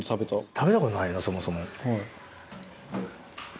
食べたことないなそもそも。